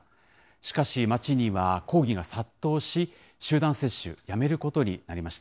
しかし町には抗議が殺到し、集団接種、やめることになりました。